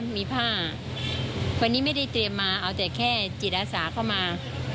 มีผ้าวันนี้ไม่ได้เตรียมมาเอาแต่แค่จิตอาสาเข้ามา